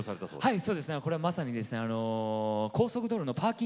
はい。